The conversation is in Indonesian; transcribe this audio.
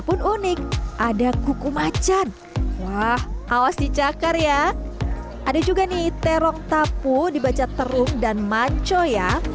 pun unik ada kuku macan wah awas dicakar ya ada juga nih terok tapu dibaca terung dan manco ya